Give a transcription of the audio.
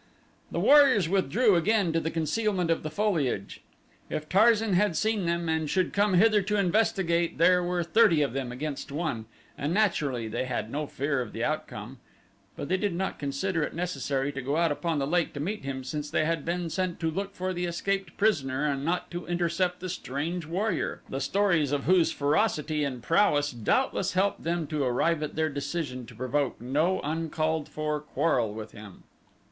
The warriors withdrew again to the concealment of the foliage. If Tarzan had seen them and should come hither to investigate there were thirty of them against one and naturally they had no fear of the outcome, but they did not consider it necessary to go out upon the lake to meet him since they had been sent to look for the escaped prisoner and not to intercept the strange warrior, the stories of whose ferocity and prowess doubtless helped them to arrive at their decision to provoke no uncalled for quarrel with him.